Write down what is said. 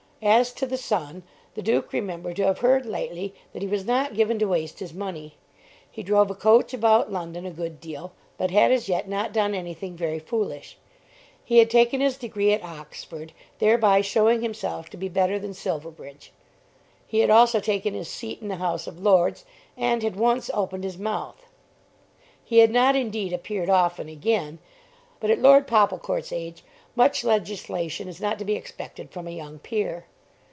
As to the son, the Duke remembered to have heard lately that he was not given to waste his money. He drove a coach about London a good deal, but had as yet not done anything very foolish. He had taken his degree at Oxford, thereby showing himself to be better than Silverbridge. He had also taken his seat in the House of Lords and had once opened his mouth. He had not indeed appeared often again; but at Lord Popplecourt's age much legislation is not to be expected from a young peer.